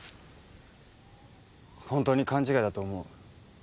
ホントに勘違いだと思う？